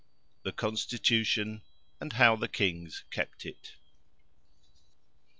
THE CONSTITUTION, AND HOW THE KINGS KEPT IT.